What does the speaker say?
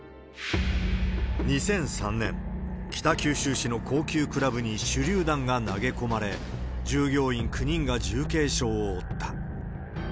２００３年、北九州市の高級クラブに手りゅう弾が投げ込まれ、従業員９人が重軽傷を負った。